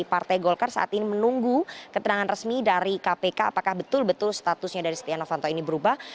partai golkar saat ini menunggu keterangan resmi dari kpk apakah betul betul statusnya dari setia novanto ini berubah